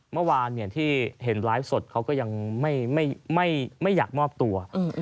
เมื่อวานที่เห็นไลฟ์สดเขาก็ยังไม่อยากมอบตัว